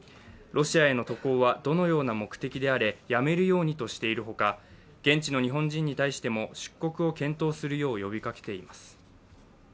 ロシアへの渡航はどのような目的であれやめるようにとしているほか、現地の日本人に対しても出国を検討するよう呼びかけています。